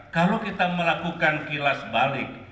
kalau kita melakukan kilas balik